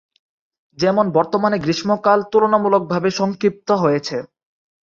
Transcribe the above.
যেমন বর্তমানে গ্রীষ্মকাল তুলনামূলকভাবে সংক্ষিপ্ত হয়েছে।